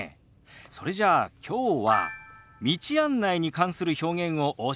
それじゃあきょうは道案内に関する表現をお教えしましょう。